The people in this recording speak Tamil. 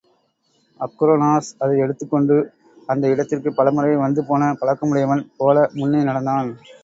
அக்ரோனோஸ் அதை எடுத்துக் கொண்டு அந்த இடத்திற்குப் பலமுறை வந்து போன பழக்கமுடையவன் போல முன்னே நடந்தான்.